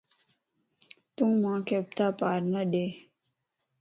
تون مانک اڀتا پار نه ڏي